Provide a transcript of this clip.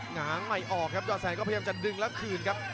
หงาใหม่ออกครับยอดแสนก็พยายามจะดึงแล้วคืนครับ